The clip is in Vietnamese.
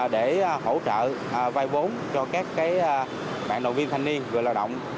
để hỗ trợ vai vốn cho các bạn nội viên thanh niên người lao động